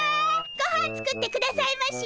ごはん作ってくださいまし！